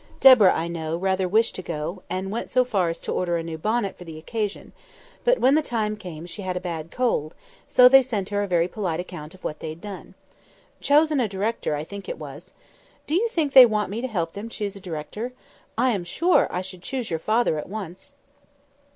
Deborah, I know, rather wished to go, and went so far as to order a new bonnet for the occasion: but when the time came she had a bad cold; so they sent her a very polite account of what they had done. Chosen a director, I think it was. Do you think they want me to help them to choose a director? I am sure I should choose your father at once!"